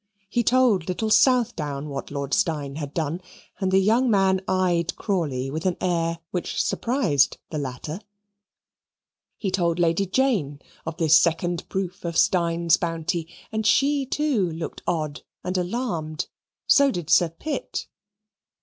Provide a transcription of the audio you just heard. He told little Southdown what Lord Steyne had done, and the young man eyed Crawley with an air which surprised the latter. He told Lady Jane of this second proof of Steyne's bounty, and she, too, looked odd and alarmed; so did Sir Pitt.